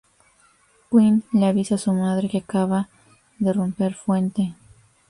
Quinn le avisa a su madre que acaba de romper fuente.